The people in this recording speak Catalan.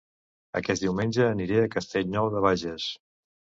Aquest diumenge aniré a Castellnou de Bages